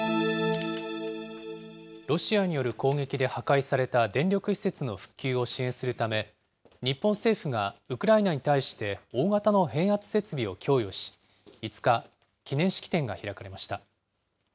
ロシアによる攻撃で破壊された電力施設の復旧を支援するため、日本政府がウクライナに対して大型の変圧設備を供与し、５日、記念式典が開かれました。